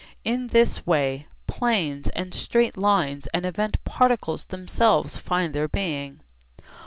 In this way planes and straight lines and event particles themselves find their being.